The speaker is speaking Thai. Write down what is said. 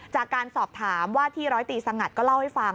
จากการสอบถามว่าที่ร้อยตีสงัดก็เล่าให้ฟัง